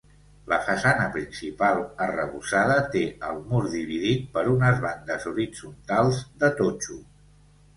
La façana principal, arrebossada, té el mur dividit per unes bandes horitzontals de totxo.